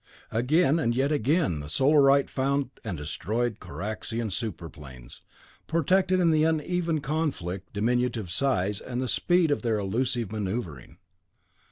Again and yet again the Solarite found and destroyed Kaxorian super planes, protected in the uneven conflict by their diminutive size and the speed of their elusive maneuvering.